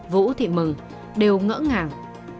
vũ thì mừng đều ngỡ ngàng